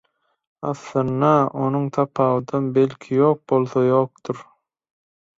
Aslynda onuň tapawudam, belki, ýok bolsa ýokdur.